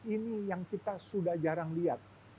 ini yang kita sudah jarang lihat